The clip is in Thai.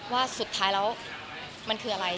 ว่าสุดท้ายแล้วมันคืออะไร